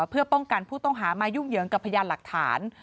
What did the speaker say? เพื่อป้องกันผู้ต้องหามายุ่งเหยิงกับพยานหลักฐาน